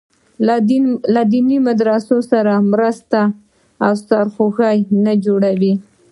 له دیني مدرسو سره مرسته سرخوږی نه جوړوي.